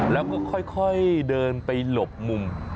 แล้วก็ค่อยเดินไปหลบมุม